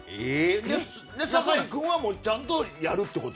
酒井君はちゃんとやるってこと？